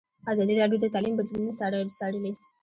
ازادي راډیو د تعلیم بدلونونه څارلي.